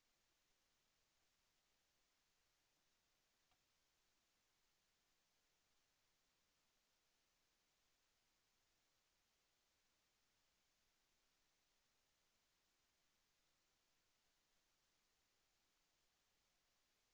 โอเคโอเคโอเค